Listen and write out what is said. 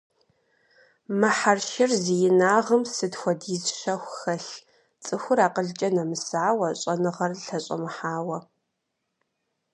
Мы хьэршыр зи инагъым сыт хуэдиз щэху хэлъ, цӀыхур акъылкӀэ нэмысауэ, щӀэныгъэр лъэщӀэмыхьауэ!